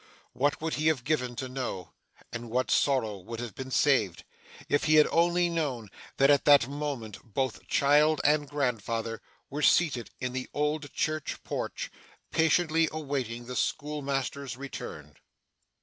What would he have given to know, and what sorrow would have been saved if he had only known, that at that moment both child and grandfather were seated in the old church porch, patiently awaiting the schoolmaster's return!